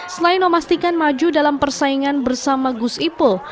selain memastikan maju dalam persaingan bersama gus ipul